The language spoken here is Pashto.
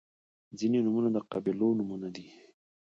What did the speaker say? • ځینې نومونه د قبیلو نومونه دي.